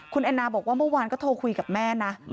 คุณแอนนาบอกว่าเมื่อวานก็โทรคุยกับแม่นะ